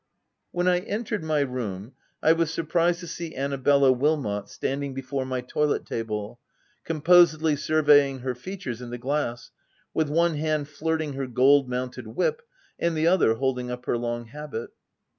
When I entered my room, I was surprised to see Annabella Wilmot standing before my toilet table, composedly surveying her features in the glass, with one hand flirting her gold mounted whip, and the other holding up her long habit.